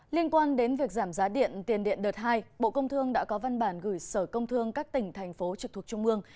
liên quan đến việc giảm giá điện tiền điện đợt hai bộ công thương đã có văn bản gửi sở công thương các tỉnh thành phố trực thuộc trung ương